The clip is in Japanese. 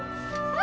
あ！